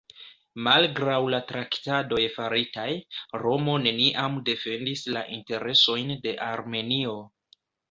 Malgraŭ la traktadoj faritaj, Romo neniam defendis la interesojn de Armenio.